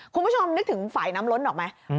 คุณผู้ชมนึกถึงฝ่ายน้ำล้นออกไหม